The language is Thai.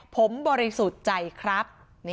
ผมบริสุทธิ์ใจครับ